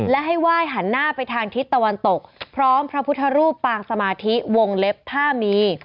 และให้ไหว้หันหน้าไปทางทิศตะวันตกพร้อมพระพุทธรูปปางสมาธิวงเล็บผ้ามี